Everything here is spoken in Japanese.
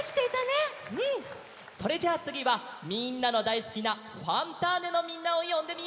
それじゃあつぎはみんなのだいすきな「ファンターネ！」のみんなをよんでみよう！